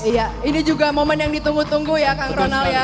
iya ini juga momen yang ditunggu tunggu ya kang ronald ya